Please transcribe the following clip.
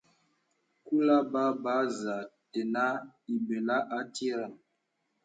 Kūlə̀ a bə̀ a bə̀ zə̄ə̄ tenə̀ ìbɛlə̀ àtirə̀.